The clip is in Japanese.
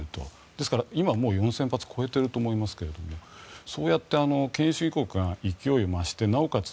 ですから今、もう４０００発を超えていると思いますがそうやって権威主義国が勢いを増してなおかつ